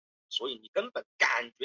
小啸鼠属等之数种哺乳动物。